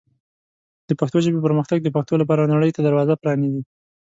د پښتو ژبې پرمختګ د پښتو لپاره نړۍ ته دروازه پرانیزي.